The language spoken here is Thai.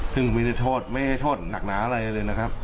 ซึ่งไม่ได้โทษไม่ให้โทษหนักหนาอะไรเลยนะครับ